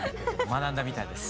学んだみたいです。